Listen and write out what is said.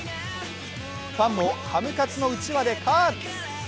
ファンもハムカツのうちわで喝！